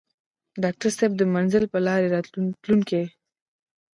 ډاکټر صېب د منزل پۀ لارې تلونکے